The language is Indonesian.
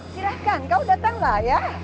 silahkan kau datanglah ya